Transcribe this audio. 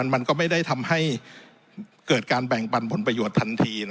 มันก็ไม่ได้ทำให้เกิดการแบ่งปันผลประโยชน์ทันที